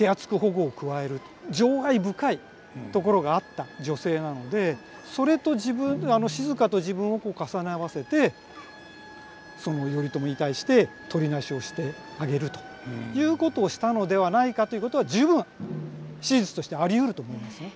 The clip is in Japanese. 情愛深いところがあった女性なのでそれと自分静と自分を重ね合わせて頼朝に対してとりなしをしてあげるということをしたのではないかということは十分史実としてありうると思いますね。